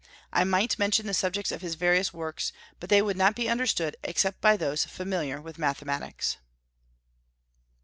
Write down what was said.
I might mention the subjects of his various works, but they would not be understood except by those familiar with mathematics.